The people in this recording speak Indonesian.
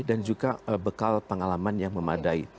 dan juga bekal pengalaman yang memadai